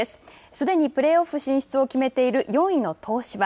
すでにプレーオフ進出を決めている４位の東芝。